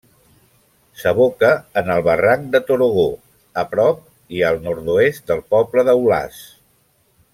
S'aboca en el barranc de Torogó a prop i al nord-oest del poble d'Aulàs.